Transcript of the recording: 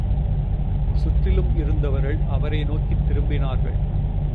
சுற்றிலும் இருந்தவர்கள் அவரை நோக்கித் திரும்பினார்கள்.